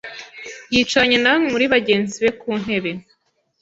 yicaranye na bamwe muri bagenzi be ku ntebe.